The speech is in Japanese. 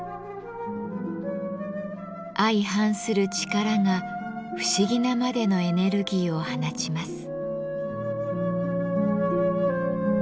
相反する力が不思議なまでのエネルギーを放ちます。